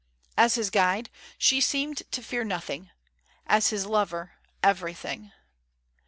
As his guide she seemed to fear nothing; as his lover, everything.